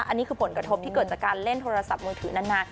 อันนี้คือผลกระทบที่เกิดจากการเล่นโทรศัพท์มือถือนั้นนะ